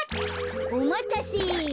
おまたせ。